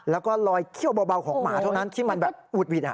แล้วก็ลอยเขี้ยวเบาของหมาเท่านั้นที่มันแบบอุดหวิด